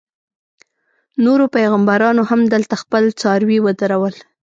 نورو پیغمبرانو هم دلته خپل څاروي ودرول.